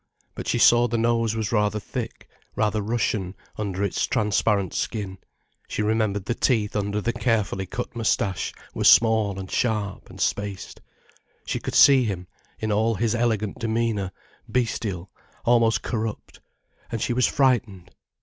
But she saw the nose was rather thick, rather Russian, under its transparent skin, she remembered the teeth under the carefully cut moustache were small and sharp and spaced. She could see him, in all his elegant demeanour, bestial, almost corrupt. And she was frightened.